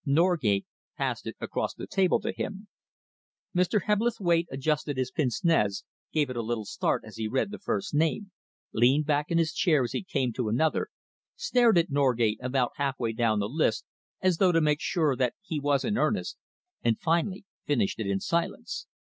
Norgate passed it across the table to him. Mr. Hebblethwaite adjusted his pince nez, gave a little start as he read the first name, leaned back in his chair as he came to another, stared at Norgate about half way down the list, as though to make sure that he was in earnest, and finally finished it in silence.